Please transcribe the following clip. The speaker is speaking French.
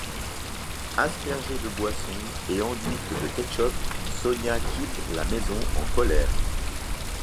Aspergée de boisson et enduite de ketchup, Sonia quitte la maison en colère.